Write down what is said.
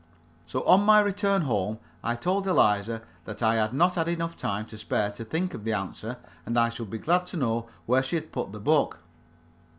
So, on my return home, I told Eliza that I had not had enough time to spare to think of the answer, and I should be glad to know where she had put the book.